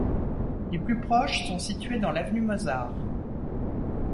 Les plus proches sont situés dans l'avenue Mozart.